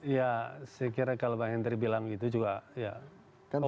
ya saya kira kalau pak hendry bilang gitu juga ya oke aja